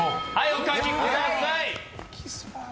お書きください。